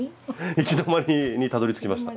行き止まりにたどりつきました。